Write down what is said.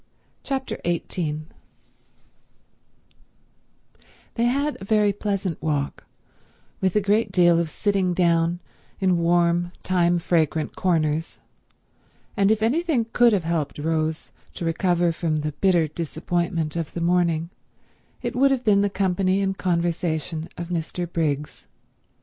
Chapter 18 They had a very pleasant walk, with a great deal of sitting down in warm, thyme fragrant corners, and if anything could have helped Rose to recover from the bitter disappointment of the morning it would have been the company and conversation of Mr. Briggs.